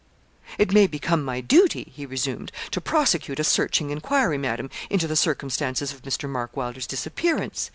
'It may become my duty,' he resumed, 'to prosecute a searching enquiry, Madam, into the circumstances of Mr. Mark Wylder's disappearance.